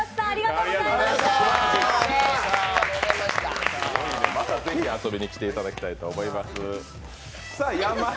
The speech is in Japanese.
またぜひ遊びに来ていただきたいと思います。